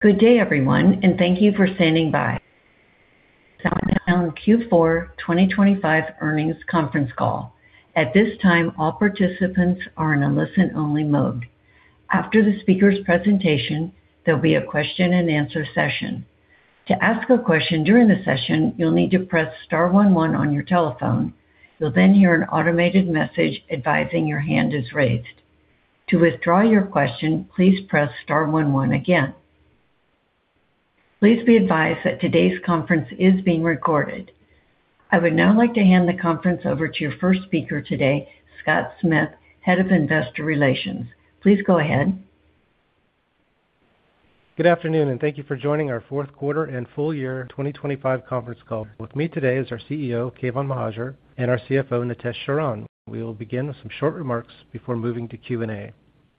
Good day, everyone, thank you for standing by. SoundHound AI Q4 2025 earnings conference call. At this time, all participants are in a listen only mode. After the speaker's presentation, there'll be a question and answer session. To ask a question during the session, you'll need to press star one one on your telephone. You'll hear an automated message advising your hand is raised. To withdraw your question, please press star one one again. Please be advised that today's conference is being recorded. I would now like to hand the conference over to your first speaker today, Scott Smith, Head of Investor Relations. Please go ahead. Good afternoon. Thank you for joining our fourth quarter and full year 2025 conference call. With me today is our CEO, Keyvan Mohajer, and our CFO, Nitesh Sharan. We will begin with some short remarks before moving to Q&A.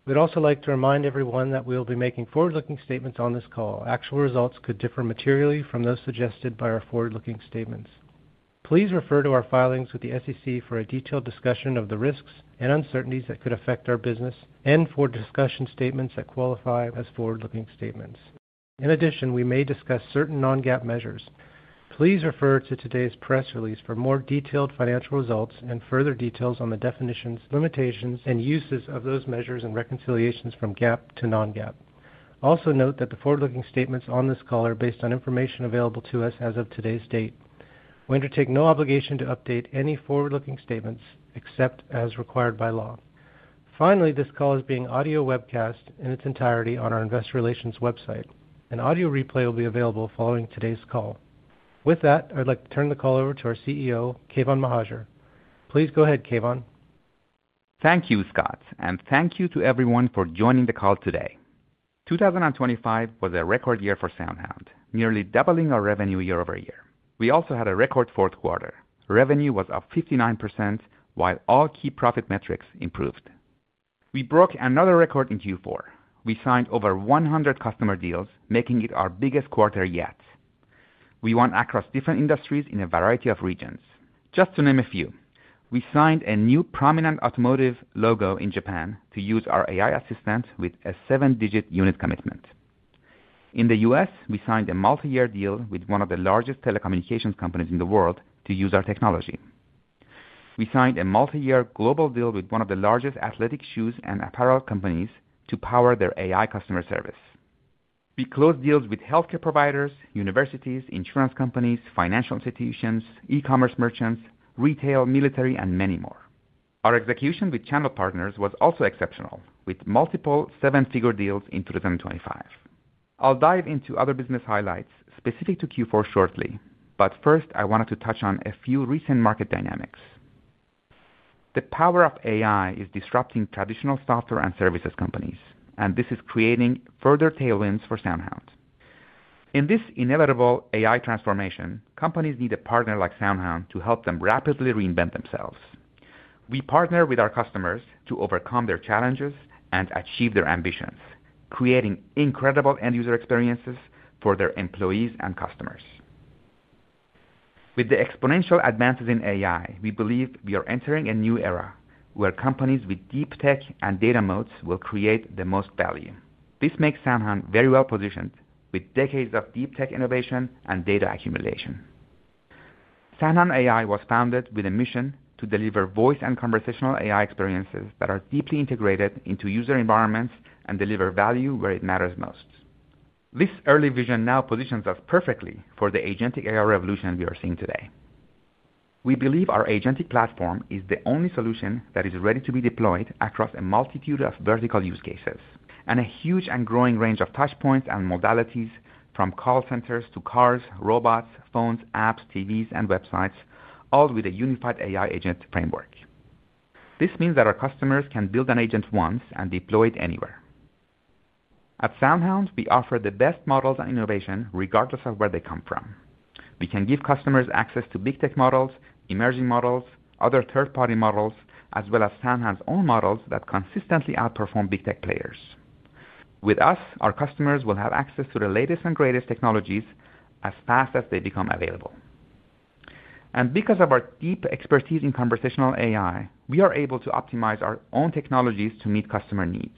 We'd also like to remind everyone that we'll be making forward-looking statements on this call. Actual results could differ materially from those suggested by our forward-looking statements. Please refer to our filings with the SEC for a detailed discussion of the risks and uncertainties that could affect our business and for discussion statements that qualify as forward-looking statements. In addition, we may discuss certain non-GAAP measures. Please refer to today's press release for more detailed financial results and further details on the definitions, limitations and uses of those measures and reconciliations from GAAP to non-GAAP. Also note that the forward-looking statements on this call are based on information available to us as of today's date. We undertake no obligation to update any forward-looking statements except as required by law. Finally, this call is being audio webcast in its entirety on our investor relations website. An audio replay will be available following today's call. With that, I'd like to turn the call over to our CEO, Keyvan Mohajer. Please go ahead, Keyvan. Thank you, Scott, and thank you to everyone for joining the call today. 2025 was a record year for SoundHound, nearly doubling our revenue year-over-year. We also had a record fourth quarter. Revenue was up 59% while all key profit metrics improved. We broke another record in Q4. We signed over 100 customer deals, making it our biggest quarter yet. We won across different industries in a variety of regions. Just to name a few, we signed a new prominent automotive logo in Japan to use our AI assistant with a seven-digit unit commitment. In the U.S., we signed a multi-year deal with one of the largest telecommunications companies in the world to use our technology. We signed a multi-year global deal with one of the largest athletic shoes and apparel companies to power their AI customer service. We closed deals with healthcare providers, universities, insurance companies, financial institutions, e-commerce merchants, retail, military and many more. Our execution with channel partners was also exceptional, with multiple seven-figure deals in 2025. I'll dive into other business highlights specific to Q4 shortly, but first I wanted to touch on a few recent market dynamics. The power of AI is disrupting traditional software and services companies, and this is creating further tailwinds for SoundHound. In this inevitable AI transformation, companies need a partner like SoundHound to help them rapidly reinvent themselves. We partner with our customers to overcome their challenges and achieve their ambitions, creating incredible end user experiences for their employees and customers. With the exponential advances in AI, we believe we are entering a new era where companies with deep tech and data moats will create the most value. This makes SoundHound very well positioned with decades of deep tech innovation and data accumulation. SoundHound AI was founded with a mission to deliver voice and conversational AI experiences that are deeply integrated into user environments and deliver value where it matters most. This early vision now positions us perfectly for the agentic AI revolution we are seeing today. We believe our agentic platform is the only solution that is ready to be deployed across a multitude of vertical use cases and a huge and growing range of touch points and modalities from call centers to cars, robots, phones, apps, TVs and websites, all with a unified AI agent framework. This means that our customers can build an agent once and deploy it anywhere. At SoundHound, we offer the best models and innovation regardless of where they come from. We can give customers access to big tech models, emerging models, other third-party models, as well as SoundHound's own models that consistently outperform big tech players. With us, our customers will have access to the latest and greatest technologies as fast as they become available. Because of our deep expertise in conversational AI, we are able to optimize our own technologies to meet customer needs.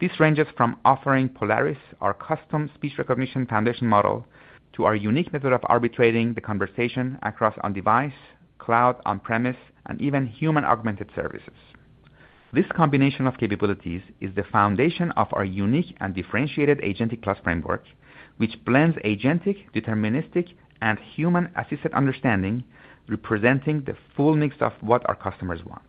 This ranges from offering Polaris, our custom speech recognition foundation model, to our unique method of arbitrating the conversation across on device, cloud, on premise and even human augmented services. This combination of capabilities is the foundation of our unique and differentiated Agentic Plus network, which blends agentic, deterministic, and human assisted understanding, representing the full mix of what our customers want.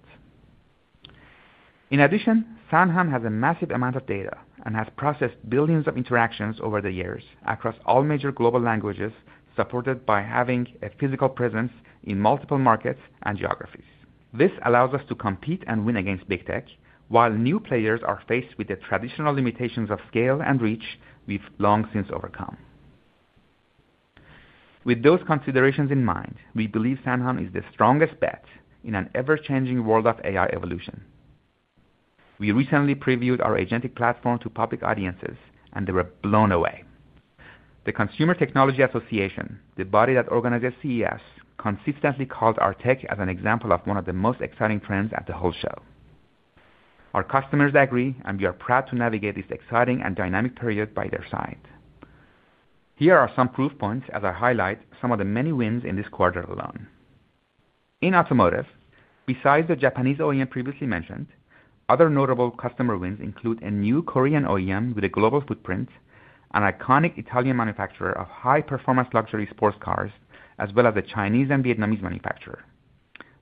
In addition, SoundHound has a massive amount of data and has processed billions of interactions over the years across all major global languages, supported by having a physical presence in multiple markets and geographies. This allows us to compete and win against big tech while new players are faced with the traditional limitations of scale and reach we've long since overcome. With those considerations in mind, we believe SoundHound is the strongest bet in an ever-changing world of AI evolution. We recently previewed our agentic platform to public audiences and they were blown away. The Consumer Technology Association, the body that organizes CES, consistently called our tech as an example of one of the most exciting trends at the whole show. Our customers agree, and we are proud to navigate this exciting and dynamic period by their side. Here are some proof points as I highlight some of the many wins in this quarter alone. In automotive, besides the Japanese OEM previously mentioned, other notable customer wins include a new Korean OEM with a global footprint, an iconic Italian manufacturer of high performance luxury sports cars, as well as a Chinese and Vietnamese manufacturer.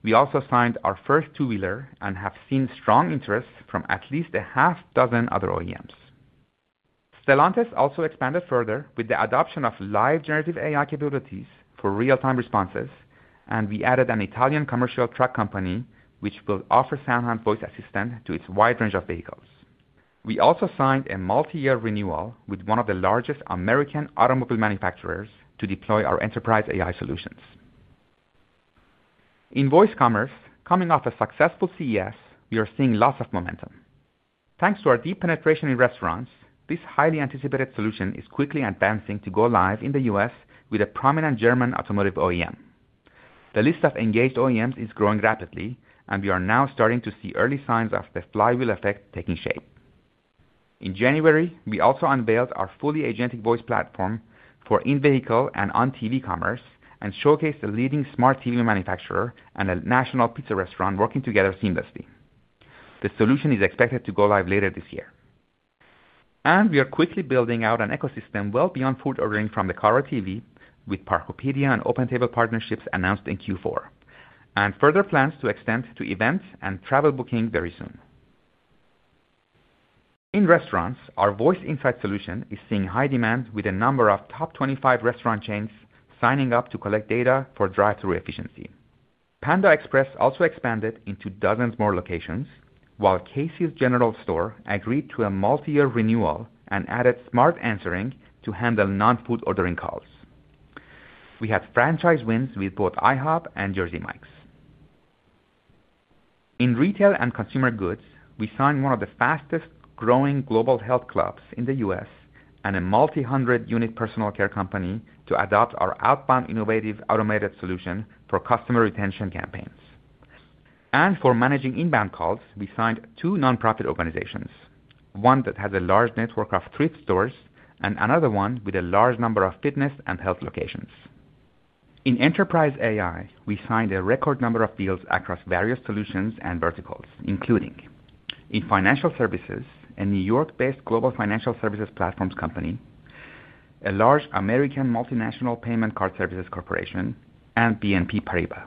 We also signed our first two-wheeler and have seen strong interest from at least six other OEMs. Stellantis also expanded further with the adoption of live generative AI capabilities for real-time responses, and we added an Italian commercial truck company which will offer SandHound voice assistant to its wide range of vehicles. We also signed a multi-year renewal with one of the largest American automobile manufacturers to deploy our enterprise AI solutions. In voice commerce, coming off a successful CES, we are seeing lots of momentum. Thanks to our deep penetration in restaurants, this highly anticipated solution is quickly advancing to go live in the U.S. with a prominent German automotive OEM. The list of engaged OEMs is growing rapidly, and we are now starting to see early signs of the flywheel effect taking shape. In January, we also unveiled our fully agentic voice platform for in-vehicle and on-TV commerce and showcased a leading smart TV manufacturer and a national pizza restaurant working together seamlessly. The solution is expected to go live later this year. We are quickly building out an ecosystem well beyond food ordering from the car or TV with Parkopedia and OpenTable partnerships announced in Q4, and further plans to extend to events and travel booking very soon. In restaurants, our voice insight solution is seeing high demand with a number of top 25 restaurant chains signing up to collect data for drive-through efficiency. Panda Express also expanded into dozens more locations while Casey's General Store agreed to a multi-year renewal and added smart answering to handle non-food ordering calls. We had franchise wins with both IHOP and Jersey Mike's. In retail and consumer goods, we signed one of the fastest growing global health clubs in the U.S. and a multi-hundred unit personal care company to adopt our outbound innovative automated solution for customer retention campaigns. For managing inbound calls, we signed two nonprofit organizations, one that has a large network of thrift stores and another one with a large number of fitness and health locations. In enterprise AI, we signed a record number of deals across various solutions and verticals, including in financial services, a New York-based global financial services platforms company, a large American multinational payment card services corporation, and BNP Paribas.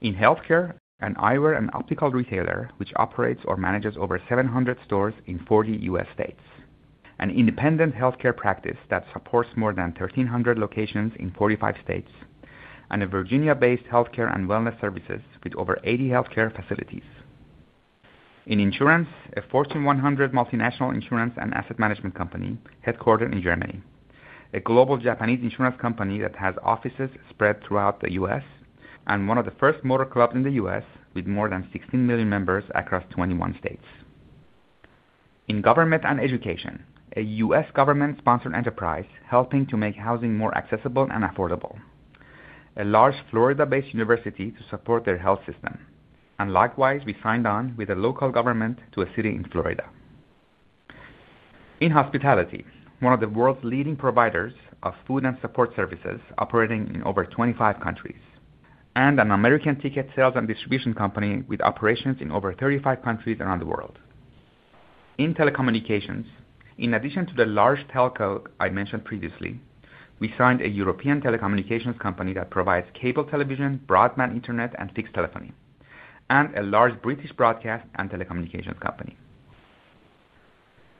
In healthcare, an eyewear and optical retailer which operates or manages over 700 stores in 40 U.S. states, an independent healthcare practice that supports more than 1,300 locations in 45 states, and a Virginia-based healthcare and wellness services with over 80 healthcare facilities. In insurance, a Fortune 100 multinational insurance and asset management company headquartered in Germany, a global Japanese insurance company that has offices spread throughout the U.S., and one of the first motor clubs in the U.S. with more than 16 million members across 21 states. In government and education, a U.S. government-sponsored enterprise helping to make housing more accessible and affordable, a large Florida-based university to support their health system. Likewise, we signed on with a local government to a city in Florida. In hospitality, one of the world's leading providers of food and support services operating in over 25 countries, and an American ticket sales and distribution company with operations in over 35 countries around the world. In telecommunications, in addition to the large telco I mentioned previously, we signed a European telecommunications company that provides cable television, broadband internet, and fixed telephony, and a large British broadcast and telecommunications company.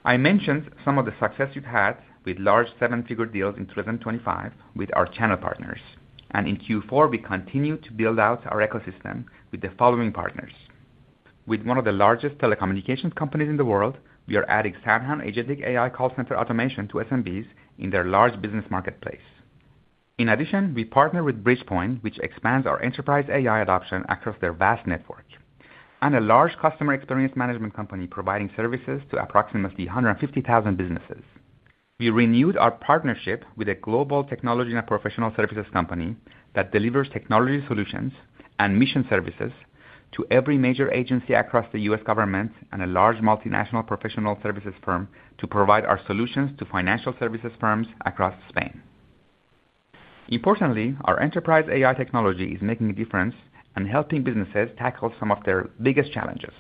I mentioned some of the success we've had with large 7-figure deals in 2025 with our channel partners. In Q4, we continued to build out our ecosystem with the following partners. With one of the largest telecommunications companies in the world, we are adding Soundhound Agentic AI call center automation to SMBs in their large business marketplace. In addition, we partnered with Bridgepointe, which expands our enterprise AI adoption across their vast network, and a large customer experience management company providing services to approximately 150,000 businesses. We renewed our partnership with a global technology and a professional services company that delivers technology solutions and mission services to every major agency across the U.S. government and a large multinational professional services firm to provide our solutions to financial services firms across Spain. Importantly, our enterprise AI technology is making a difference and helping businesses tackle some of their biggest challenges.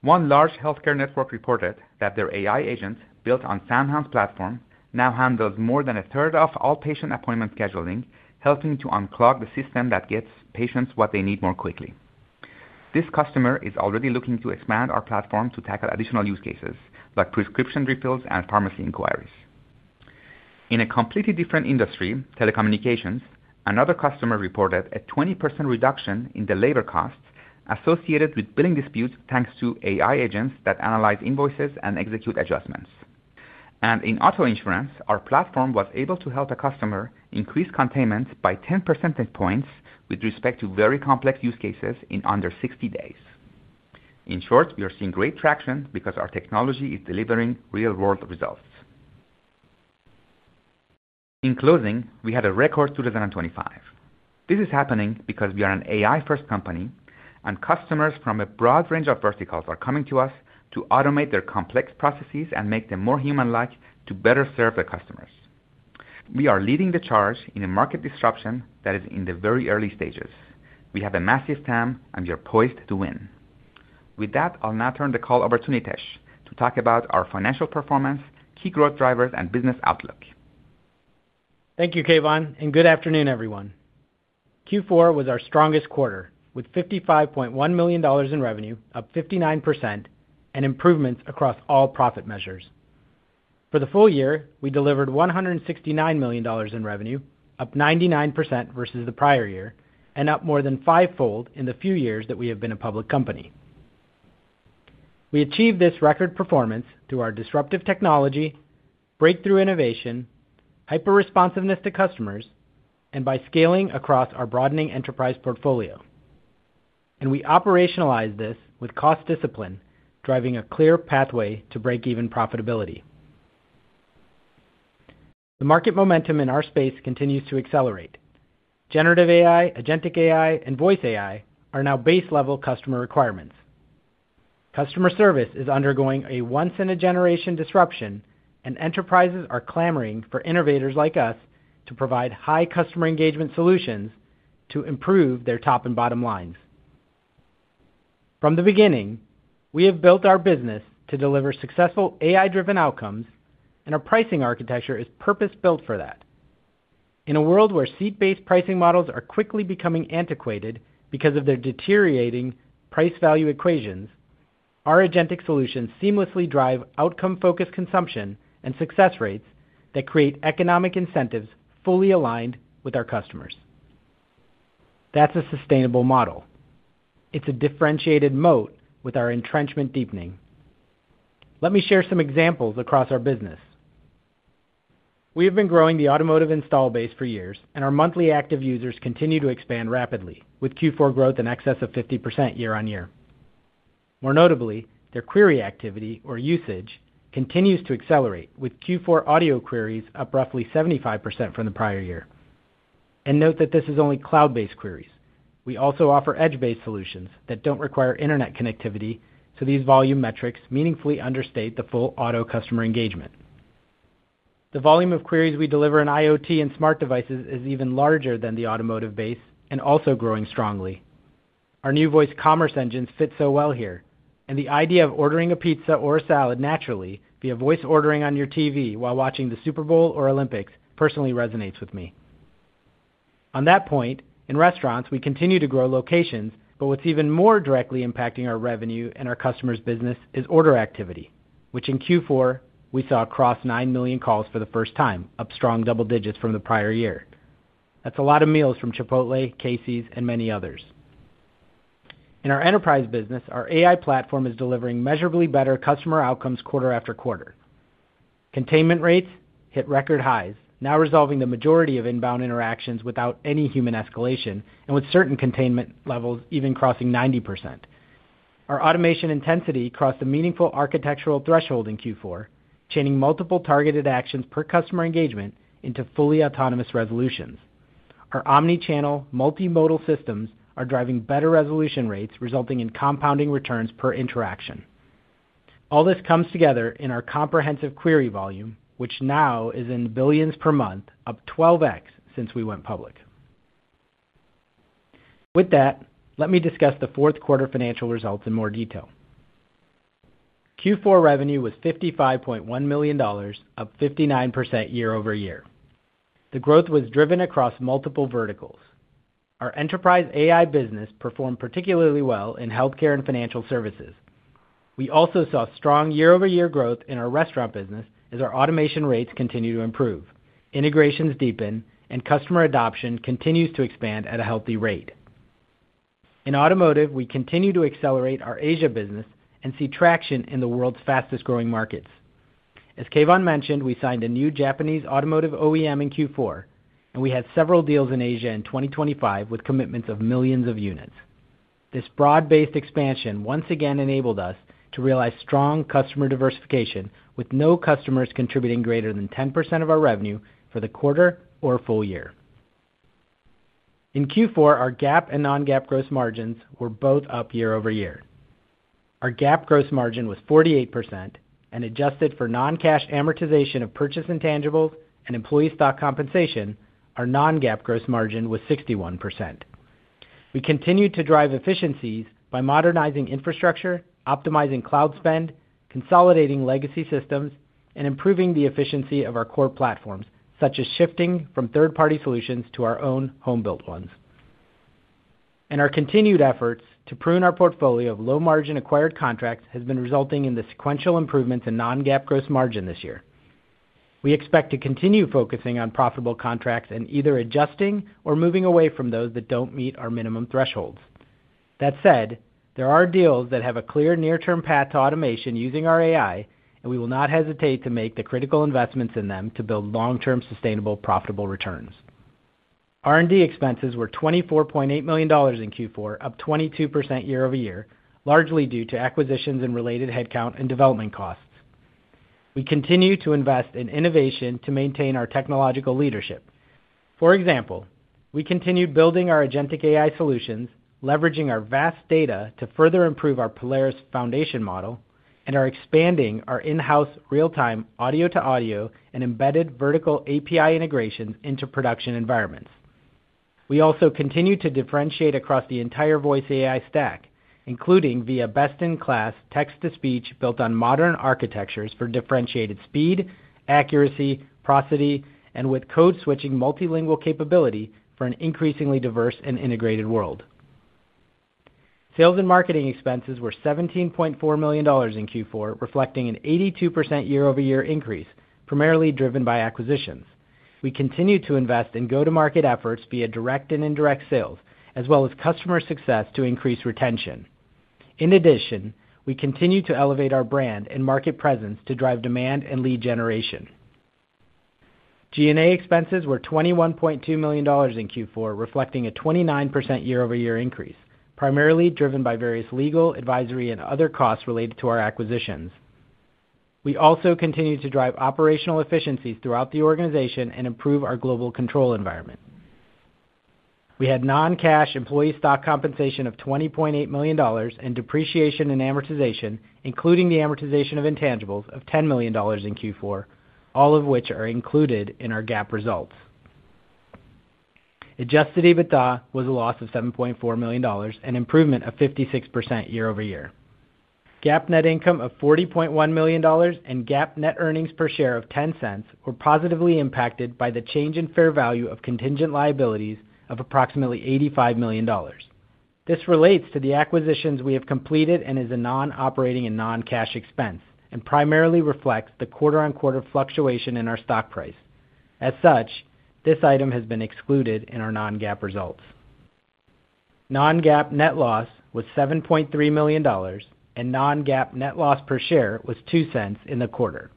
One large healthcare network reported that their AI agent, built on SoundHound's platform, now handles more than a third of all patient appointment scheduling, helping to unclog the system that gets patients what they need more quickly. This customer is already looking to expand our platform to tackle additional use cases like prescription refills and pharmacy inquiries. In a completely different industry, telecommunications, another customer reported a 20% reduction in the labor costs associated with billing disputes, thanks to AI agents that analyze invoices and execute adjustments. In auto insurance, our platform was able to help a customer increase containments by 10 percentage points with respect to very complex use cases in under 60 days. In short, we are seeing great traction because our technology is delivering real-world results. In closing, we had a record 2,025. This is happening because we are an AI-first company, and customers from a broad range of verticals are coming to us to automate their complex processes and make them more human-like to better serve their customers. We are leading the charge in a market disruption that is in the very early stages. We have a massive TAM, and we are poised to win. With that, I'll now turn the call over to Nitesh to talk about our financial performance, key growth drivers, and business outlook. Thank you, Keyvan, and good afternoon, everyone. Q4 was our strongest quarter, with $55.1 million in revenue, up 59% and improvements across all profit measures. For the full year, we delivered $169 million in revenue, up 99% versus the prior year, and up more than five-fold in the few years that we have been a public company. We achieved this record performance through our disruptive technology, breakthrough innovation, hyper-responsiveness to customers, and by scaling across our broadening enterprise portfolio. We operationalize this with cost discipline, driving a clear pathway to break-even profitability. The market momentum in our space continues to accelerate. Generative AI, agentic AI, and voice AI are now base-level customer requirements. Customer service is undergoing a once-in-a-generation disruption, and enterprises are clamoring for innovators like us to provide high customer engagement solutions to improve their top and bottom lines. From the beginning, we have built our business to deliver successful AI-driven outcomes, and our pricing architecture is purpose-built for that. In a world where seat-based pricing models are quickly becoming antiquated because of their deteriorating price-value equations, our agentic solutions seamlessly drive outcome-focused consumption and success rates that create economic incentives fully aligned with our customers. That's a sustainable model. It's a differentiated moat with our entrenchment deepening. Let me share some examples across our business. We have been growing the automotive install base for years, and our monthly active users continue to expand rapidly with Q4 growth in excess of 50% year-on-year. More notably, their query activity or usage continues to accelerate with Q4 audio queries up roughly 75% from the prior year. Note that this is only cloud-based queries. We also offer edge-based solutions that don't require Internet connectivity, so these volume metrics meaningfully understate the full auto customer engagement. The volume of queries we deliver in IoT and smart devices is even larger than the automotive base and also growing strongly. Our new voice commerce engine fits so well here, and the idea of ordering a pizza or a salad naturally via voice ordering on your TV while watching the Super Bowl or Olympics personally resonates with me. On that point, in restaurants, we continue to grow locations. What's even more directly impacting our revenue and our customers' business is order activity, which in Q4, we saw cross 9 million calls for the first time, up strong double digits from the prior year. That's a lot of meals from Chipotle, Casey's, and many others. In our enterprise business, our AI platform is delivering measurably better customer outcomes quarter after quarter. Containment rates hit record highs, now resolving the majority of inbound interactions without any human escalation and with certain containment levels even crossing 90%. Our automation intensity crossed a meaningful architectural threshold in Q4, chaining multiple targeted actions per customer engagement into fully autonomous resolutions. Our omni-channel, multimodal systems are driving better resolution rates, resulting in compounding returns per interaction. All this comes together in our comprehensive query volume, which now is in billions per month, up 12x since we went public. With that, let me discuss the fourth quarter financial results in more detail. Q4 revenue was $55.1 million, up 59% year-over-year. The growth was driven across multiple verticals. Our enterprise AI business performed particularly well in healthcare and financial services. We also saw strong year-over-year growth in our restaurant business as our automation rates continue to improve, integrations deepen, and customer adoption continues to expand at a healthy rate. In automotive, we continue to accelerate our Asia business and see traction in the world's fastest-growing markets. As Keyvan mentioned, we signed a new Japanese automotive OEM in Q4, and we had several deals in Asia in 2025 with commitments of millions of units. This broad-based expansion once again enabled us to realize strong customer diversification, with no customers contributing greater than 10% of our revenue for the quarter or full year. In Q4, our GAAP and non-GAAP gross margins were both up year-over-year. Our GAAP gross margin was 48% and adjusted for non-cash amortization of purchase intangibles and employee stock compensation, our non-GAAP gross margin was 61%. We continued to drive efficiencies by modernizing infrastructure, optimizing cloud spend, consolidating legacy systems, and improving the efficiency of our core platforms, such as shifting from third-party solutions to our own home-built ones. Our continued efforts to prune our portfolio of low-margin acquired contracts has been resulting in the sequential improvements in non-GAAP gross margin this year. We expect to continue focusing on profitable contracts and either adjusting or moving away from those that don't meet our minimum thresholds. That said, there are deals that have a clear near-term path to automation using our AI, and we will not hesitate to make the critical investments in them to build long-term sustainable, profitable returns. R&D expenses were $24.8 million in Q4, up 22% year-over-year, largely due to acquisitions and related headcount and development costs. We continue to invest in innovation to maintain our technological leadership. For example, we continued building our agentic AI solutions, leveraging our vast data to further improve our Polaris Foundation model, and are expanding our in-house real-time audio-to-audio and embedded vertical API integration into production environments. We also continue to differentiate across the entire voice AI stack, including via best-in-class text-to-speech built on modern architectures for differentiated speed, accuracy, prosody, and with code-switching multilingual capability for an increasingly diverse and integrated world. Sales and marketing expenses were $17.4 million in Q4, reflecting an 82% year-over-year increase, primarily driven by acquisitions. We continue to invest in go-to-market efforts via direct and indirect sales, as well as customer success to increase retention. In addition, we continue to elevate our brand and market presence to drive demand and lead generation. G&A expenses were $21.2 million in Q4, reflecting a 29% year-over-year increase, primarily driven by various legal, advisory, and other costs related to our acquisitions. We also continue to drive operational efficiencies throughout the organization and improve our global control environment. We had non-cash employee stock compensation of $20.8 million and depreciation and amortization, including the amortization of intangibles of $10 million in Q4, all of which are included in our GAAP results. Adjusted EBITDA was a loss of $7.4 million, an improvement of 56% year-over-year. GAAP net income of $40.1 million and GAAP net earnings per share of $0.10 were positively impacted by the change in fair value of contingent liabilities of approximately $85 million. This relates to the acquisitions we have completed and is a non-operating and non-cash expense, and primarily reflects the quarter-on-quarter fluctuation in our stock price. As such, this item has been excluded in our non-GAAP results. Non-GAAP net loss was $7.3 million, and non-GAAP net loss per share was $0.02 in the quarter.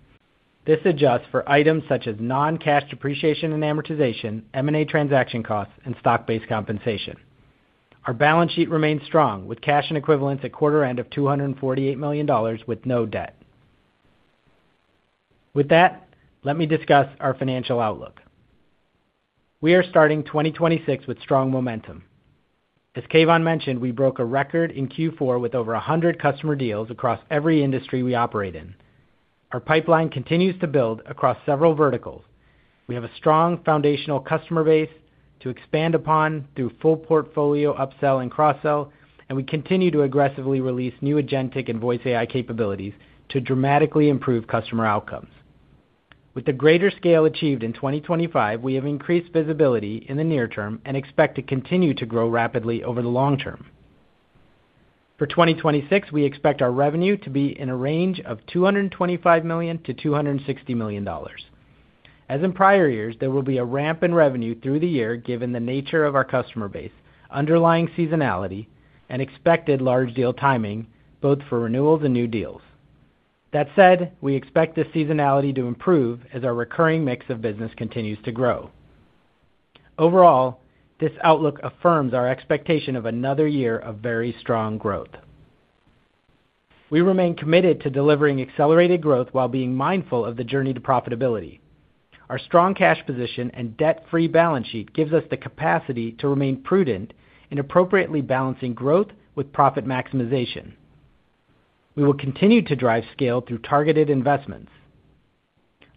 This adjusts for items such as non-cash depreciation and amortization, M&A transaction costs, and stock-based compensation. Our balance sheet remains strong, with cash and equivalents at quarter end of $248 million with no debt. With that, let me discuss our financial outlook. We are starting 2026 with strong momentum. As Keyvan mentioned, we broke a record in Q4 with over 100 customer deals across every industry we operate in. Our pipeline continues to build across several verticals. We have a strong foundational customer base to expand upon through full portfolio upsell and cross-sell, and we continue to aggressively release new agentic and voice AI capabilities to dramatically improve customer outcomes. With the greater scale achieved in 2025, we have increased visibility in the near term and expect to continue to grow rapidly over the long term. For 2026, we expect our revenue to be in a range of $225 million-$260 million. As in prior years, there will be a ramp in revenue through the year, given the nature of our customer base, underlying seasonality, and expected large deal timing, both for renewals and new deals. That said, we expect this seasonality to improve as our recurring mix of business continues to grow. Overall, this outlook affirms our expectation of another year of very strong growth. We remain committed to delivering accelerated growth while being mindful of the journey to profitability. Our strong cash position and debt-free balance sheet gives us the capacity to remain prudent in appropriately balancing growth with profit maximization. We will continue to drive scale through targeted investments.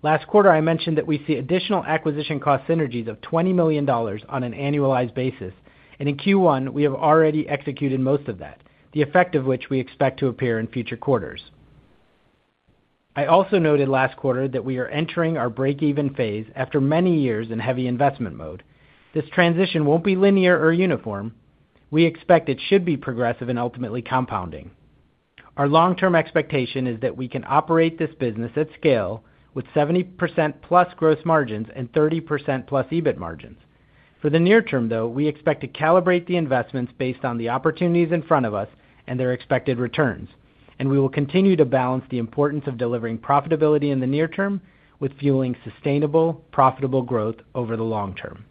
Last quarter, I mentioned that we see additional acquisition cost synergies of $20 million on an annualized basis, and in Q1, we have already executed most of that, the effect of which we expect to appear in future quarters. I also noted last quarter that we are entering our break-even phase after many years in heavy investment mode. This transition won't be linear or uniform. We expect it should be progressive and ultimately compounding. Our long-term expectation is that we can operate this business at scale with 70%+ gross margins and 30%+ EBIT margins. For the near term, though, we expect to calibrate the investments based on the opportunities in front of us and their expected returns, and we will continue to balance the importance of delivering profitability in the near term with fueling sustainable, profitable growth over the long term.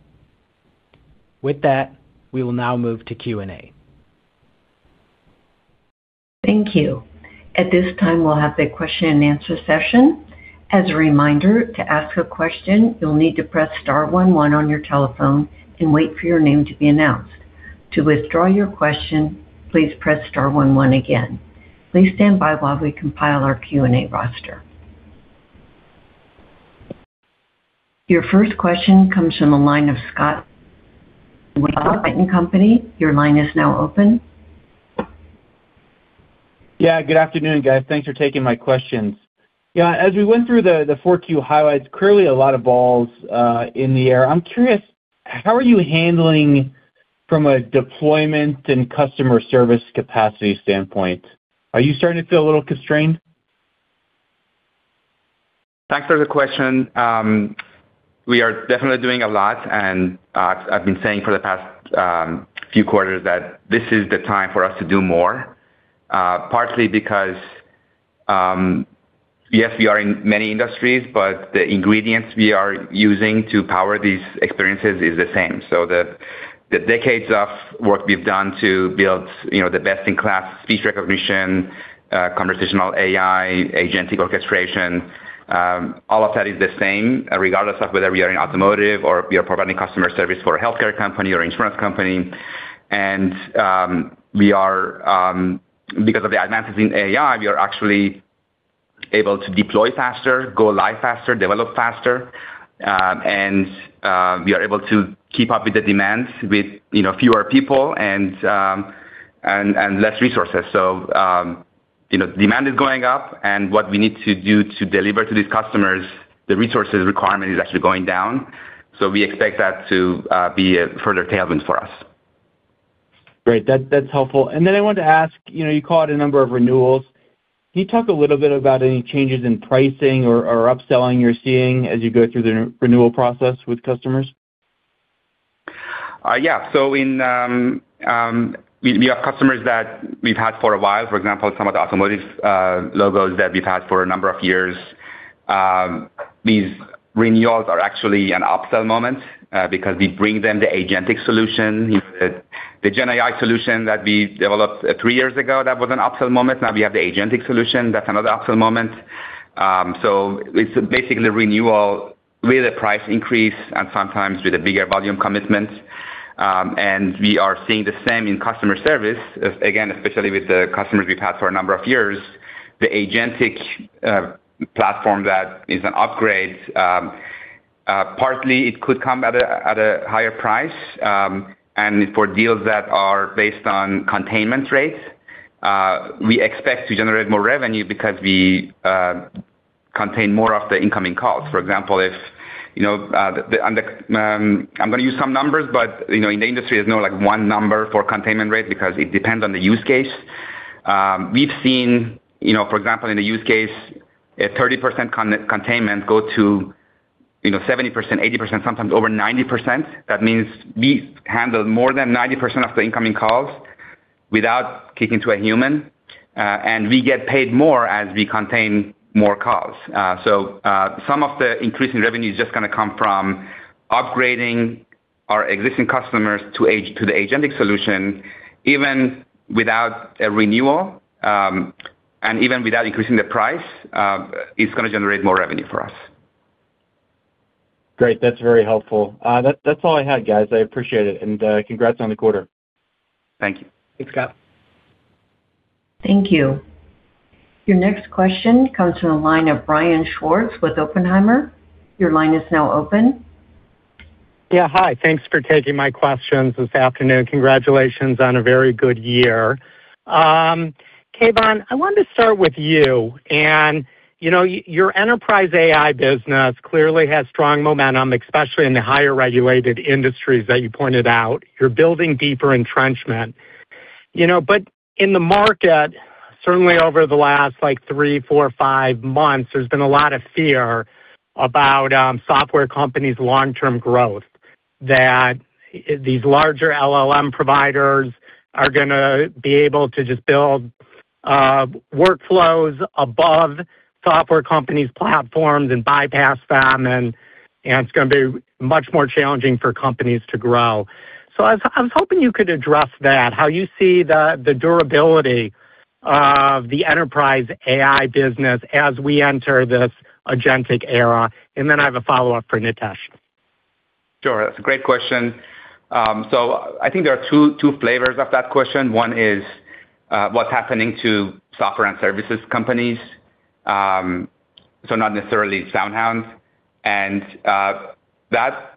With that, we will now move to Q&A. Thank you. At this time, we'll have the question and answer session. As a reminder, to ask a question, you'll need to press star one one on your telephone and wait for your name to be announced. To withdraw your question, please press star one one again. Please stand by while we compile our Q&A roster. Your first question comes from the line of Scott Buck from Wainwright Company. Your line is now open. Good afternoon, guys. Thanks for taking my questions. As we went through the 4Q highlights, clearly a lot of balls in the air. I'm curious, how are you handling from a deployment and customer service capacity standpoint? Are you starting to feel a little constrained? Thanks for the question. We are definitely doing a lot, and I've been saying for the past few quarters that this is the time for us to do more, partly because, yes, we are in many industries, but the ingredients we are using to power these experiences is the same. The decades of work we've done to build, you know, the best-in-class speech recognition, conversational AI, agentic orchestration, all of that is the same regardless of whether we are in automotive or if we are providing customer service for a healthcare company or insurance company. We are, because of the advances in AI, we are actually able to deploy faster, go live faster, develop faster, and we are able to keep up with the demands with, you know, fewer people and less resources. You know, demand is going up and what we need to do to deliver to these customers, the resources requirement is actually going down. We expect that to be a further tailwind for us. Great. That's helpful. I wanted to ask, you know, you called a number of renewals. Can you talk a little bit about any changes in pricing or upselling you're seeing as you go through the re-renewal process with customers? Yeah. In, we have customers that we've had for a while, for example, some of the automotive logos that we've had for a number of years. These renewals are actually an upsell moment because we bring them the Agentic solution. You know, the GenAI solution that we developed three years ago, that was an upsell moment. Now we have the Agentic solution, that's another upsell moment. It's basically renewal with a price increase and sometimes with a bigger volume commitment. We are seeing the same in customer service, again, especially with the customers we've had for a number of years. The Agentic platform that is an upgrade, partly it could come at a higher price, and for deals that are based on containment rates, we expect to generate more revenue because we contain more of the incoming calls. For example, if, you know, on the... I'm gonna use some numbers, but, you know, in the industry there's no, like, one number for containment rate because it depends on the use case. We've seen, you know, for example, in a use case a 30% containment go to, you know, 70%, 80%, sometimes over 90%. That means we handle more than 90% of the incoming calls without kicking to a human, and we get paid more as we contain more calls. Some of the increase in revenue is just gonna come from upgrading our existing customers to the agentic solution. Even without a renewal, and even without increasing the price, it's gonna generate more revenue for us. Great. That's very helpful. That's all I had, guys. I appreciate it and, congrats on the quarter. Thank you. Thanks, Scott. Thank you. Your next question comes from the line of Brian Schwartz with Oppenheimer. Your line is now open. Yeah, hi. Thanks for taking my questions this afternoon. Congratulations on a very good year. Keyvan, I wanted to start with you and, you know, your enterprise AI business clearly has strong momentum, especially in the higher regulated industries that you pointed out. You're building deeper entrenchment. You know, but in the market, certainly over the last like three, four, five months, there's been a lot of fear about software companies' long-term growth, that these larger LLM providers are gonna be able to just build workflows above software companies' platforms and bypass them and it's gonna be much more challenging for companies to grow. I was hoping you could address that, how you see the durability of the enterprise AI business as we enter this agentic era. I have a follow-up for Nitesh. Sure. That's a great question. I think there are two flavors of that question. One is what's happening to software and services companies. Not necessarily SoundHound. That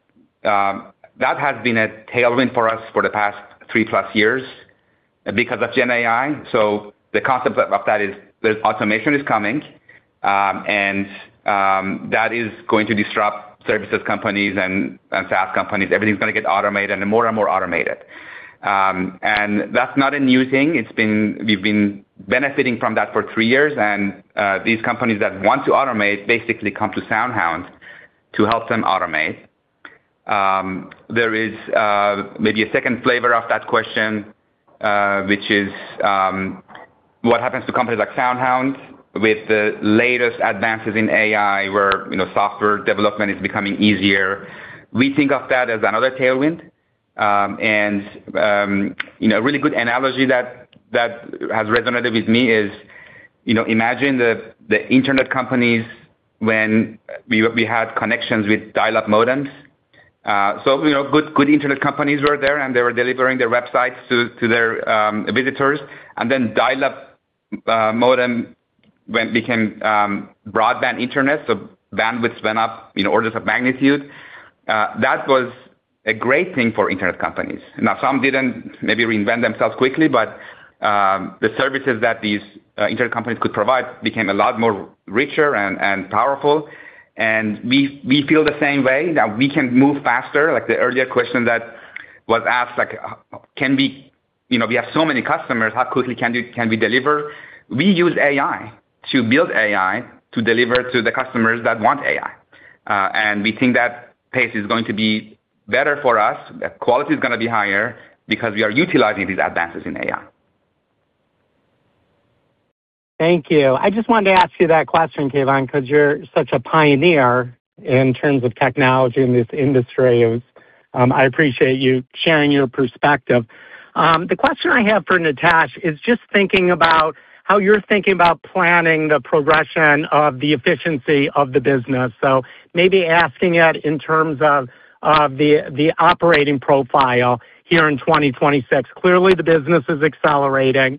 has been a tailwind for us for the past 3-plus years because of GenAI. The concept of that is there's automation is coming, and that is going to disrupt services companies and SaaS companies. Everything's gonna get automated and more and more automated. That's not a new thing. We've been benefiting from that for three years and these companies that want to automate basically come to SoundHound to help them automate. There is maybe a second flavor of that question, which is what happens to companies like SoundHound with the latest advances in AI where, you know, software development is becoming easier. We think of that as another tailwind. You know, a really good analogy that has resonated with me is, you know, imagine the internet companies when we had connections with dial-up modems. You know, good internet companies were there and they were delivering their websites to their visitors. Then dial-up modem went-- became broadband internet, so bandwidths went up in orders of magnitude. That was a great thing for internet companies. Some didn't maybe reinvent themselves quickly, but the services that these internet companies could provide became a lot more richer and powerful. We feel the same way, that we can move faster. Like the earlier question that was asked. You know, we have so many customers, how quickly can we deliver? We use AI to build AI to deliver to the customers that want AI. We think that pace is going to be better for us, the quality is gonna be higher because we are utilizing these advances in AI. Thank you. I just wanted to ask you that question, Keyvan, 'cause you're such a pioneer in terms of technology in this industry. I appreciate you sharing your perspective. The question I have for Natasha is just thinking about how you're thinking about planning the progression of the efficiency of the business. So maybe asking it in terms of the operating profile here in 2026. Clearly, the business is accelerating.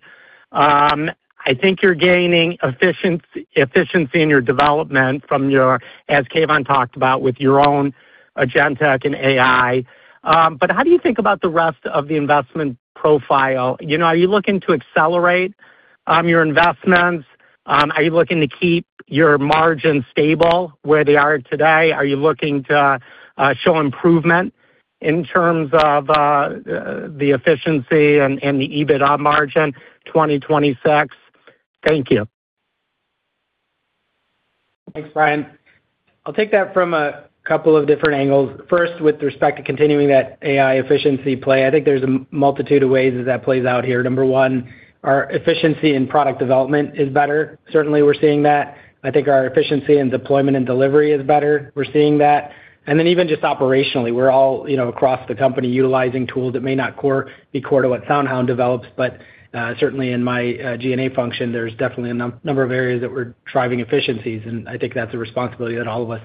I think you're gaining efficiency in your development as Keyvan talked about, with your own agentic and AI. How do you think about the rest of the investment profile? You know, are you looking to accelerate your investments? Are you looking to keep your margin stable where they are today? Are you looking to show improvement in terms of the efficiency and the EBITDA margin 2026? Thank you. Thanks, Brian. I'll take that from a couple of different angles. First, with respect to continuing that AI efficiency play, I think there's a multitude of ways that that plays out here. Number 1, our efficiency in product development is better. Certainly, we're seeing that. I think our efficiency in deployment and delivery is better. We're seeing that. Then even just operationally, we're all, you know, across the company utilizing tools that may not be core to what SoundHound develops. Certainly in my G&A function, there's definitely a number of areas that we're driving efficiencies, and I think that's a responsibility that all of us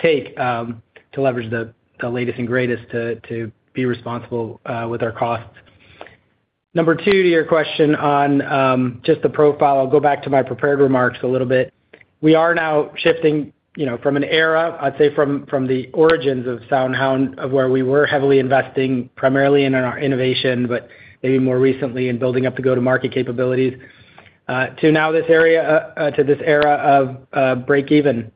take to leverage the latest and greatest to be responsible with our costs. Number 2 to your question on just the profile. I'll go back to my prepared remarks a little bit. We are now shifting, you know, from an era, I'd say from the origins of SoundHound of where we were heavily investing primarily in our innovation, but maybe more recently in building up the go-to-market capabilities, to now this era of break even.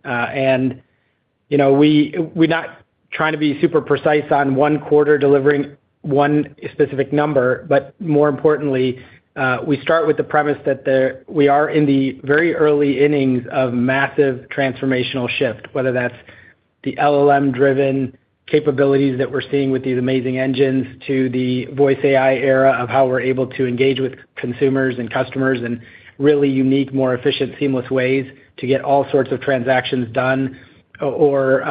You know, we're not trying to be super precise on one quarter delivering one specific number, but more importantly, we start with the premise that we are in the very early innings of massive transformational shift, whether that's the LLM-driven capabilities that we're seeing with these amazing engines to the voice AI era of how we're able to engage with consumers and customers in really unique, more efficient, seamless ways to get all sorts of transactions done or,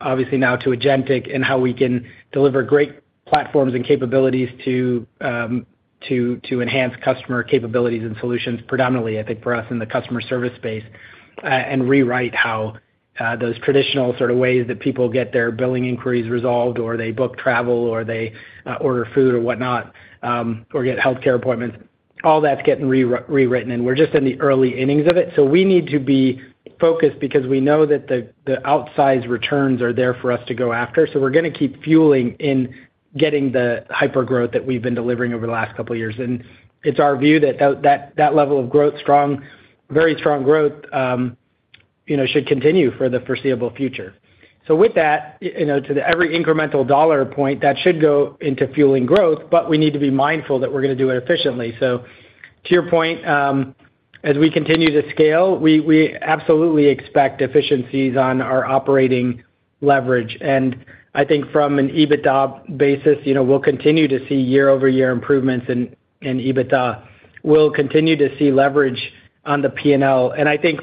obviously now to Agentic and how we can deliver great platforms and capabilities to enhance customer capabilities and solutions predominantly, I think, for us in the customer service space, and rewrite how those traditional sort of ways that people get their billing inquiries resolved or they book travel or they order food or whatnot, or get healthcare appointments, all that's getting rewritten, and we're just in the early innings of it. We need to be focused because we know that the outsized returns are there for us to go after. We're gonna keep fueling in getting the hypergrowth that we've been delivering over the last couple of years. It's our view that that level of growth very strong growth, you know, should continue for the foreseeable future. With that, you know, to every incremental dollar point, that should go into fueling growth, but we need to be mindful that we're gonna do it efficiently. To your point, as we continue to scale, we absolutely expect efficiencies on our operating leverage. I think from an EBITDA basis, you know, we'll continue to see year-over-year improvements in EBITDA. We'll continue to see leverage on the P&L. I think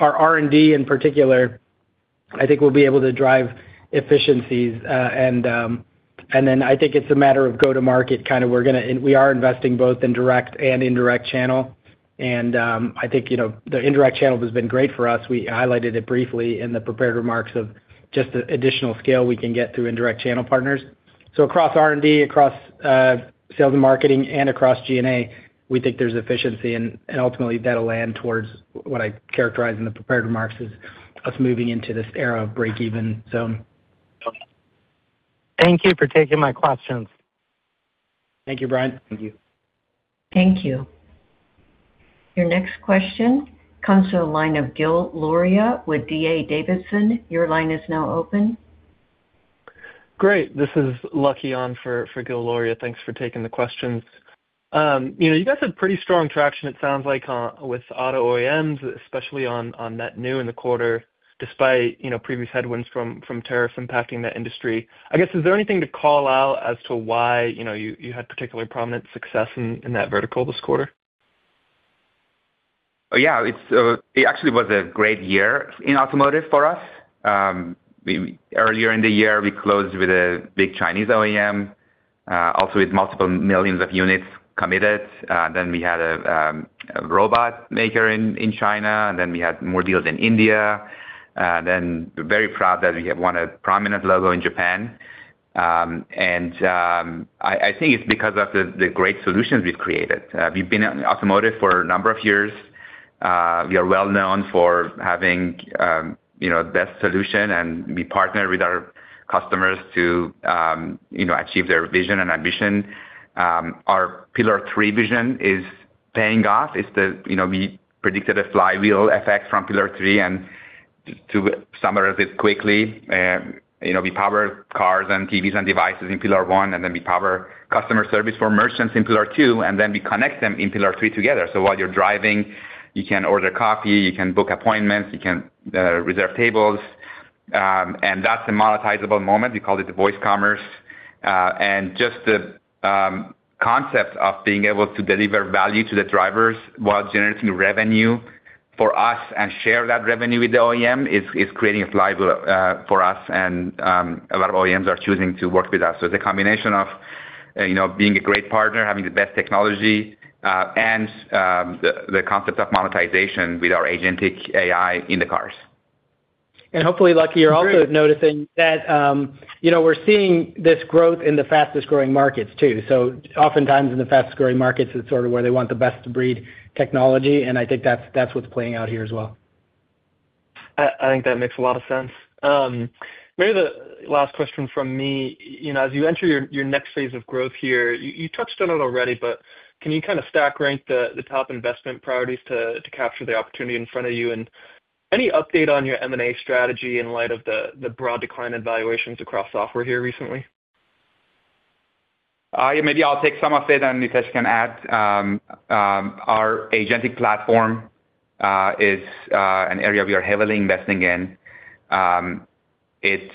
our R&D in particular, I think we'll be able to drive efficiencies. I think it's a matter of go to market kind of We are investing both in direct and indirect channel. I think, you know, the indirect channel has been great for us. We highlighted it briefly in the prepared remarks of just the additional scale we can get through indirect channel partners. Across R&D, across sales and marketing, and across G&A, we think there's efficiency and ultimately that'll land towards what I characterized in the prepared remarks as us moving into this era of break-even zone. Thank you for taking my questions. Thank you, Brian. Thank you. Thank you. Your next question comes from the line of Gil Luria with D.A. Davidson. Your line is now open. Great. This is Lucky on for Gil Luria. Thanks for taking the questions. You know, you guys have pretty strong traction, it sounds like, with auto OEMs, especially on net new in the quarter, despite, you know, previous headwinds from tariffs impacting that industry. I guess, is there anything to call out as to why, you know, you had particularly prominent success in that vertical this quarter? Yeah. It's actually was a great year in automotive for us. Earlier in the year, we closed with a big Chinese OEM, also with multiple millions of units committed. We had a robot maker in China, and then we had more deals in India. We're very proud that we have won a prominent logo in Japan. I think it's because of the great solutions we've created. We've been in automotive for a number of years. We are well known for having, you know, best solution, and we partner with our customers to, you know, achieve their vision and ambition. Our pillar three vision is paying off. It's the, you know, we predicted a flywheel effect from pillar three. To summarize it quickly, you know, we power cars and TVs and devices in pillar one, and then we power customer service for merchants in pillar two, and then we connect them in pillar three together. While you're driving, you can order coffee, you can book appointments, you can reserve tables. That's a monetizable moment. We call it the voice commerce. Just the concept of being able to deliver value to the drivers while generating revenue for us and share that revenue with the OEM is creating a flywheel for us. A lot of OEMs are choosing to work with us. The combination of, you know, being a great partner, having the best technology, and the concept of monetization with our agentic AI in the cars. Hopefully, Lucky, you're also noticing that, you know, we're seeing this growth in the fastest-growing markets too. Oftentimes in the fastest-growing markets, it's sort of where they want the best-of-breed technology, and I think that's what's playing out here as well. I think that makes a lot of sense. Maybe the last question from me. You know, as you enter your next phase of growth here, you touched on it already, but can you kind of stack rank the top investment priorities to capture the opportunity in front of you? Any update on your M&A strategy in light of the broad decline in valuations across software here recently? Yeah, maybe I'll take some of it, and Nitesh can add. Our agentic platform is an area we are heavily investing in. It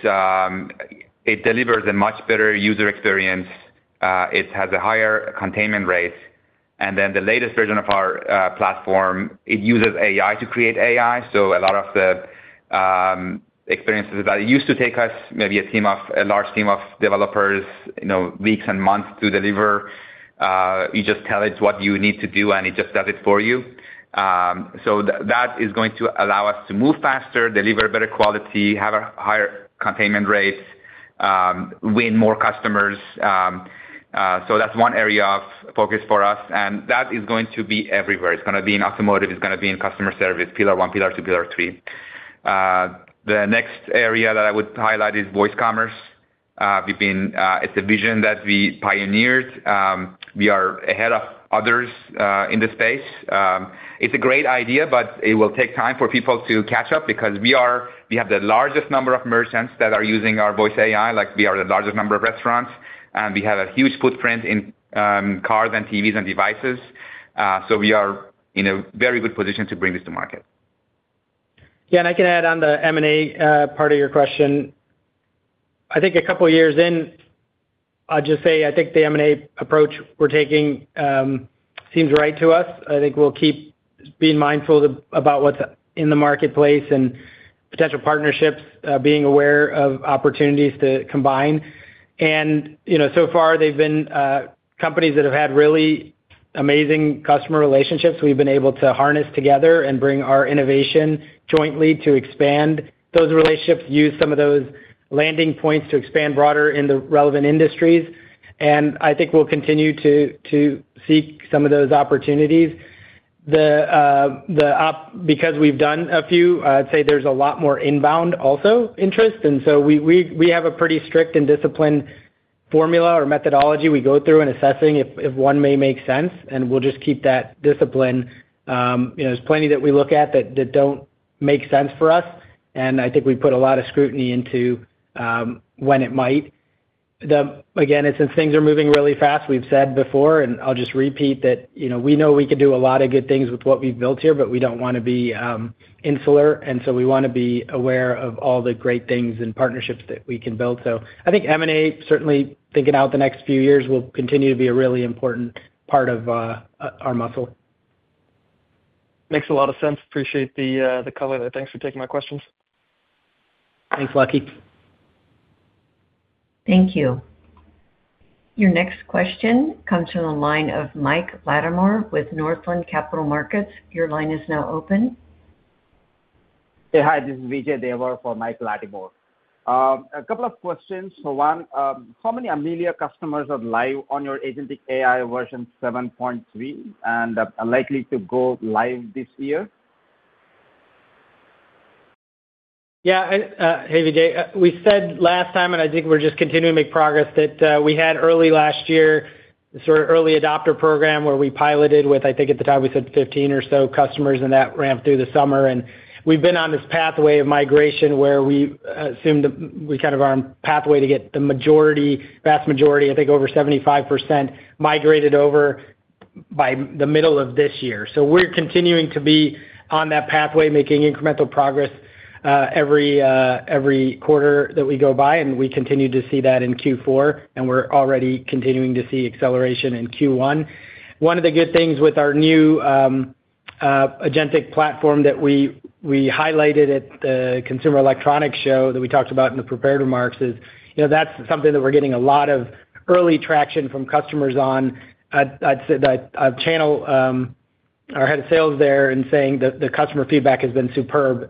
delivers a much better user experience, it has a higher containment rate. The latest version of our platform, it uses AI to create AI. A lot of the experiences that it used to take us, maybe a large team of developers, you know, weeks and months to deliver, you just tell it what you need to do, and it just does it for you. That is going to allow us to move faster, deliver better quality, have a higher containment rate, win more customers. That's one area of focus for us, and that is going to be everywhere. It's gonna be in automotive, it's gonna be in customer service, pillar one, pillar two, pillar three. The next area that I would highlight is voice commerce. We've been, it's a vision that we pioneered. We are ahead of others in this space. It's a great idea, but it will take time for people to catch up because we have the largest number of merchants that are using our voice AI, like we are the largest number of restaurants, and we have a huge footprint in cars and TVs and devices. We are in a very good position to bring this to market. Yeah, I can add on the M&A part of your question. I think two years in, I'll just say I think the M&A approach we're taking seems right to us. I think we'll keep being mindful about what's in the marketplace and potential partnerships, being aware of opportunities to combine. You know, so far they've been companies that have had really amazing customer relationships we've been able to harness together and bring our innovation jointly to expand those relationships, use some of those landing points to expand broader in the relevant industries. I think we'll continue to seek some of those opportunities. The because we've done a few, I'd say there's a lot more inbound also interest. We have a pretty strict and disciplined formula or methodology we go through in assessing if one may make sense, and we'll just keep that discipline. You know, there's plenty that we look at that don't make sense for us, and I think we put a lot of scrutiny into when it might. Again, since things are moving really fast, we've said before, and I'll just repeat that, you know, we know we could do a lot of good things with what we've built here, but we don't wanna be insular, we wanna be aware of all the great things and partnerships that we can build. I think M&A, certainly thinking out the next few years, will continue to be a really important part of our muscle. Makes a lot of sense. Appreciate the color there. Thanks for taking my questions. Thanks, Lucky. Thank you. Your next question comes from the line of Mike Latimore with Northland Capital Markets. Your line is now open. Hey, hi, this is Vijay Devar for Mike Latimore. A couple of questions. One, how many Amelia customers are live on your agentic AI version 7.3 and are likely to go live this year? Yeah. Hey, Vijay. We said last time, and I think we're just continuing to make progress, that we had early last year the sort of early adopter program where we piloted with, I think at the time we said 15 or so customers, and that ramped through the summer. We've been on this pathway of migration where we assumed we kind of are on pathway to get the majority, vast majority, I think over 75% migrated over by the middle of this year. We're continuing to be on that pathway, making incremental progress, every quarter that we go by, and we continue to see that in Q4, and we're already continuing to see acceleration in Q1. One of the good things with our new agentic platform that we highlighted at the Consumer Electronics Show that we talked about in the prepared remarks is, you know, that's something that we're getting a lot of early traction from customers on. I'd say that I'd channel our head of sales there in saying that the customer feedback has been superb.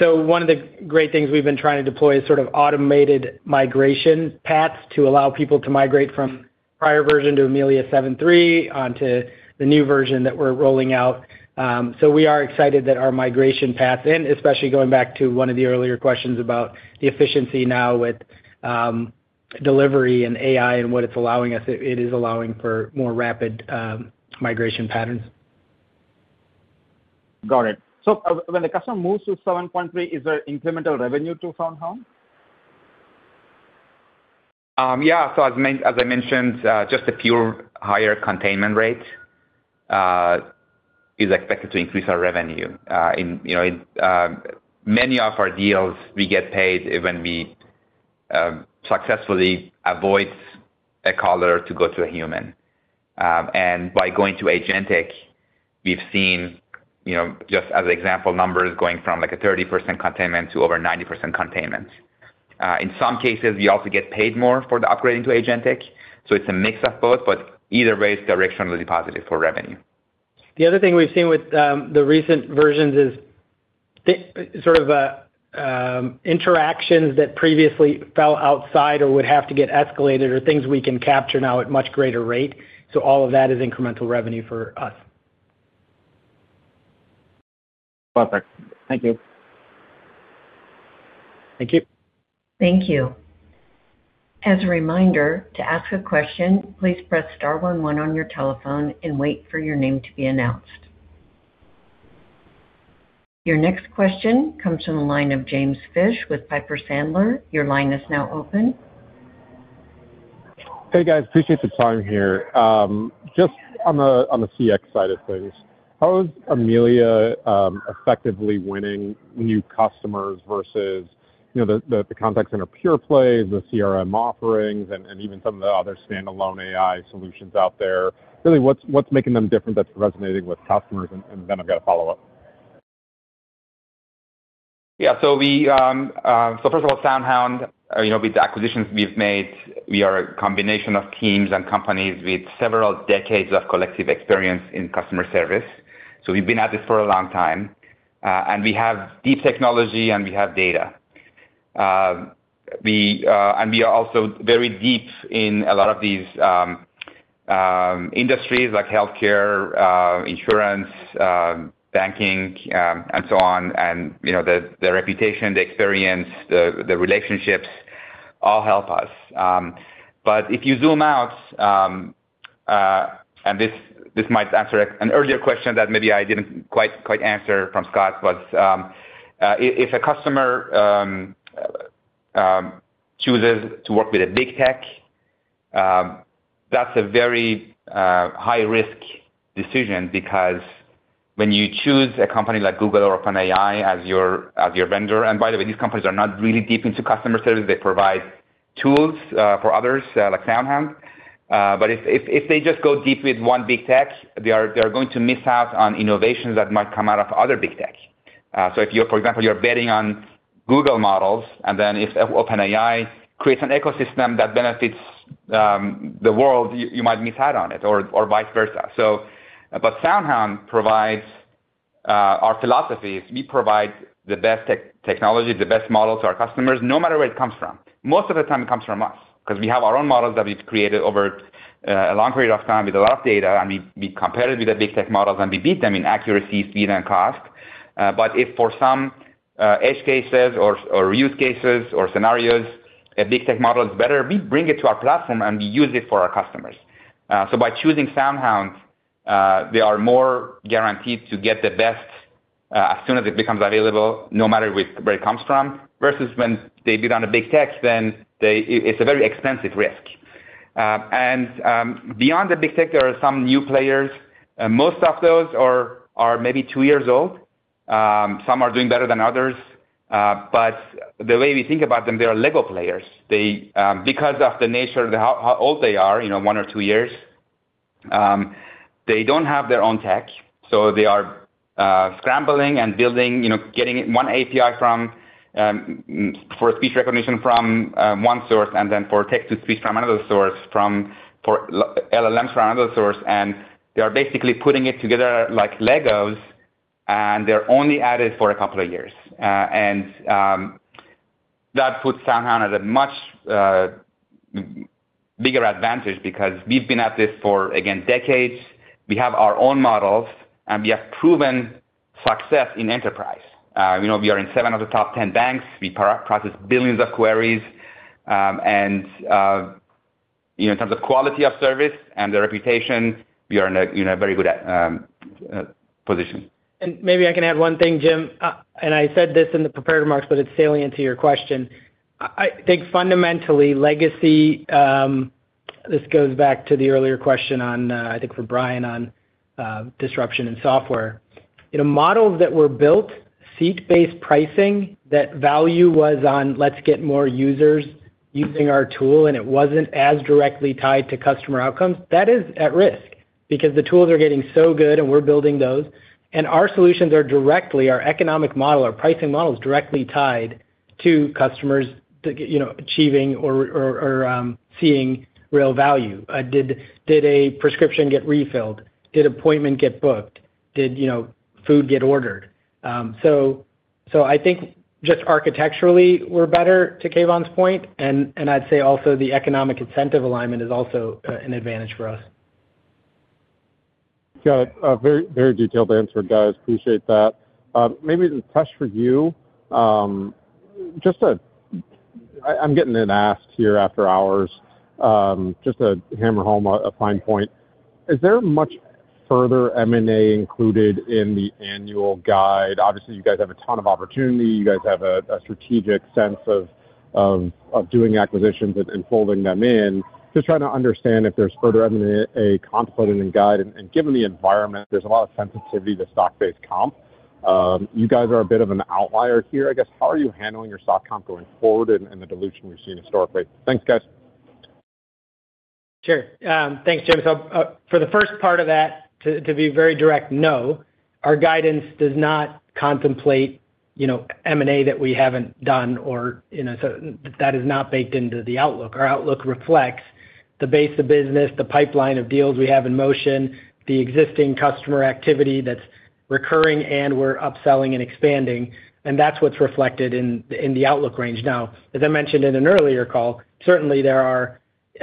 One of the great things we've been trying to deploy is sort of automated migration paths to allow people to migrate from prior version to Amelia seven three onto the new version that we're rolling out. We are excited that our migration path, and especially going back to one of the earlier questions about the efficiency now with delivery and AI and what it's allowing us, it is allowing for more rapid migration patterns. Got it. When the customer moves to 7.3, is there incremental revenue to SoundHound AI? Yeah. As I mentioned, just a pure higher containment rate is expected to increase our revenue. In, you know, in many of our deals we get paid when we successfully avoid a caller to go to a human. By going to agentic, we've seen, you know, just as example numbers going from like a 30% containment to over 90% containment. In some cases, we also get paid more for the upgrading to agentic, so it's a mix of both, but either way it's directionally positive for revenue. The other thing we've seen with, the recent versions is sort of, interactions that previously fell outside or would have to get escalated or things we can capture now at much greater rate. All of that is incremental revenue for us. Perfect. Thank you. Thank you. Thank you. As a reminder, to ask a question, please press star one one on your telephone and wait for your name to be announced. Your next question comes from the line of James Fish with Piper Sandler. Your line is now open. Hey, guys. Appreciate the time here. Just on the, on the CX side of things, how is Amelia effectively winning new customers versus, you know, the contact center pure plays, the CRM offerings and even some of the other standalone AI solutions out there. Really what's making them different that's resonating with customers? Then I've got a follow-up. Yeah. First of all, SoundHound AI, you know, with the acquisitions we've made, we are a combination of teams and companies with several decades of collective experience in customer service. We've been at this for a long time. We have deep technology, and we have data. We are also very deep in a lot of these industries like healthcare, insurance, banking, and so on. You know, the reputation, the experience, the relationships all help us. If you zoom out, this might answer an earlier question that maybe I didn't quite answer from Scott was, if a customer chooses to work with a big tech, that's a very high risk decision because when you choose a company like Google or OpenAI as your vendor, and by the way, these companies are not really deep into customer service. They provide tools for others like SoundHound. If they just go deep with one big tech, they are going to miss out on innovations that might come out of other big tech. If you're, for example, you're betting on Google models, and then if OpenAI creates an ecosystem that benefits the world, you might miss out on it or vice versa. SoundHound provides our philosophy is we provide the best tech-technology, the best models to our customers no matter where it comes from. Most of the time it comes from us 'cause we have our own models that we've created over a long period of time with a lot of data, and we compare it with the big tech models, and we beat them in accuracy, speed and cost. But if for some edge cases or use cases or scenarios a big tech model is better, we bring it to our platform, and we use it for our customers. By choosing SoundHound, they are more guaranteed to get the best as soon as it becomes available, no matter where it comes from. Versus when they bid on a big tech, it's a very expensive risk. Beyond the big tech, there are some new players. Most of those are maybe two years old. Some are doing better than others. The way we think about them, they are LEGO players. They, because of the nature of how old they are, you know, one or two years, they don't have their own tech, so they are scrambling and building, you know, getting one API from for speech recognition from one source and then for text-to-speech from another source for LLMs from another source. They are basically putting it together like Legos, and they're only at it for a couple of years. That puts SoundHound at a much bigger advantage because we've been at this for, again, decades. We have our own models, and we have proven success in enterprise. You know, we are in 7 of the top 10 banks. We process billions of queries. You know, in terms of quality of service and the reputation, we are in a very good position. Maybe I can add one thing, Jim, and I said this in the prepared remarks, but it's salient to your question. I think fundamentally legacy, this goes back to the earlier question on, I think for Brian on disruption in software. In models that were built, seat-based pricing, that value was on let's get more users using our tool, and it wasn't as directly tied to customer outcomes. That is at risk because the tools are getting so good, and we're building those. Our solutions are directly, our economic model, our pricing model is directly tied to customers to you know, achieving or seeing real value. Did a prescription get refilled? Did appointment get booked? Did, you know, food get ordered? So I think just architecturally we're better to Keyvan's point. I'd say also the economic incentive alignment is also an advantage for us. Got a very, very detailed answer, guys. Appreciate that. Maybe a question for you. I'm getting it asked here after hours, just to hammer home a fine point. Is there much-Further M&A included in the annual guide? Obviously, you guys have a ton of opportunity. You guys have a strategic sense of doing acquisitions and folding them in. Just trying to understand if there's further M&A contemplated in guide. Given the environment, there's a lot of sensitivity to stock-based comp. You guys are a bit of an outlier here, I guess. How are you handling your stock comp going forward and the dilution we've seen historically? Thanks, guys. Sure. Thanks, Jim. For the first part of that, to be very direct, no. Our guidance does not contemplate, you know, M&A that we haven't done or, you know, that is not baked into the outlook. Our outlook reflects the base of business, the pipeline of deals we have in motion, the existing customer activity that's recurring, and we're upselling and expanding, and that's what's reflected in the outlook range. As I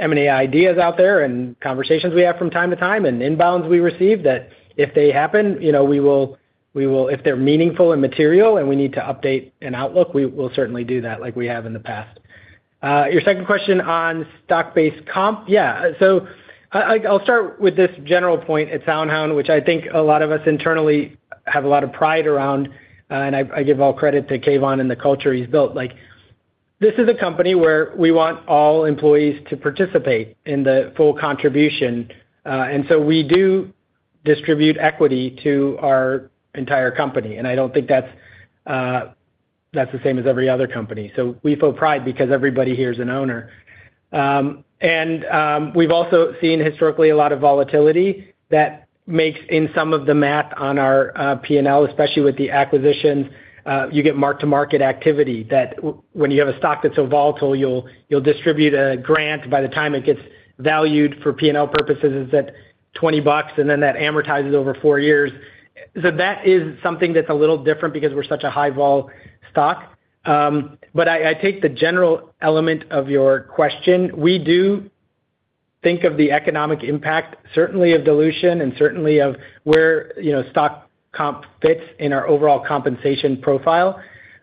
mentioned in an earlier call, certainly there are M&A ideas out there and conversations we have from time to time and inbounds we receive that if they happen, you know, we will. If they're meaningful and material, and we need to update an outlook, we will certainly do that like we have in the past. Your second question on stock-based comp. Yeah. I'll start with this general point at SoundHound, which I think a lot of us internally have a lot of pride around, and I give all credit to Keyvan and the culture he's built. Like, this is a company where we want all employees to participate in the full contribution. We do distribute equity to our entire company, and I don't think that's the same as every other company. So we feel pride because everybody here is an owner. We've also seen historically a lot of volatility that makes in some of the math on our P&L, especially with the acquisitions, you get mark-to-market activity that when you have a stock that's so volatile, you'll distribute a grant. By the time it gets valued for P&L purposes, it's at $20, and then that amortizes over 4 years. That is something that's a little different because we're such a high vol stock. I take the general element of your question. We do think of the economic impact, certainly of dilution and certainly of where, you know, stock comp fits in our overall compensation profile.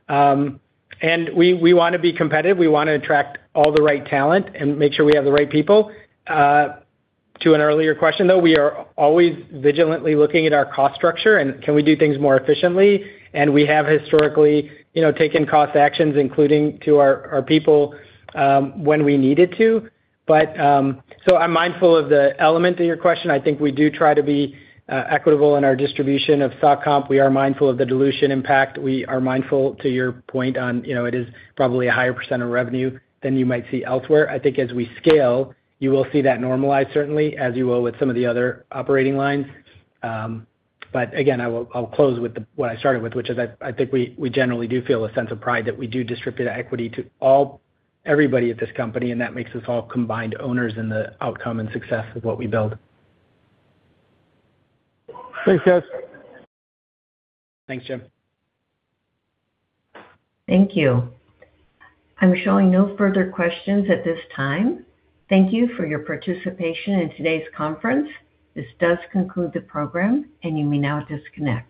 We wanna be competitive. We wanna attract all the right talent and make sure we have the right people. To an earlier question, though, we are always vigilantly looking at our cost structure and can we do things more efficiently. We have historically, you know, taken cost actions, including to our people, when we needed to. I'm mindful of the element of your question. I think we do try to be equitable in our distribution of stock comp. We are mindful of the dilution impact. We are mindful to your point on, you know, it is probably a higher % of revenue than you might see elsewhere. I think as we scale, you will see that normalize certainly, as you will with some of the other operating lines. Again, I'll close with what I started with, which is I think we generally do feel a sense of pride that we do distribute equity to everybody at this company, and that makes us all combined owners in the outcome and success of what we build. Thanks, guys. Thanks, Jim. Thank you. I'm showing no further questions at this time. Thank you for your participation in today's conference. This does conclude the program, and you may now disconnect.